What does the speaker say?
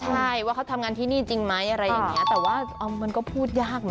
ใช่ว่าเขาทำงานที่นี่จริงไหมอะไรอย่างนี้แต่ว่ามันก็พูดยากนะ